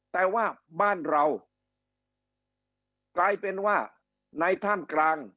แต่ว่าบ้านเรากลายเป็นว่าในถ้ำกลาง